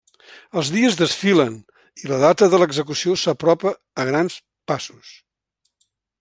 Els dies desfilen i la data de l'execució s'apropa a grans passos.